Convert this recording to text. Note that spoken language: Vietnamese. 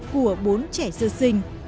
của bốn trẻ sư sinh